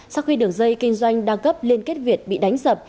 sau khi đường dây kinh doanh đa cấp liên kết việt bị đánh sập